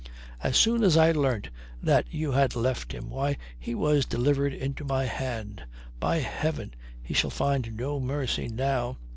As soon as I learnt that you had left him, why, he was delivered into my hand. By heaven, he shall find no mercy now.